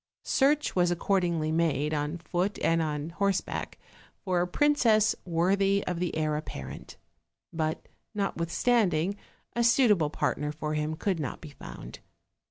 Search was accordingly made, on foot and on horse back, for a princess worthy of the heir apparent: but notwithstanding a suitable partner for him could not be found.